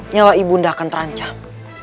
nyawa ibu nda akan terancam